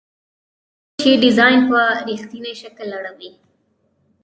څوک چې ډیزاین په رښتیني شکل اړوي.